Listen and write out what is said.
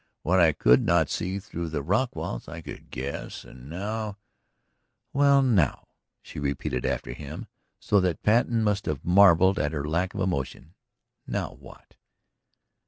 What I could not see through the rock walls I could guess! And now ..." "Well, now?" she repeated after him, so that Patten must have marvelled at her lack of emotion. "Now what?"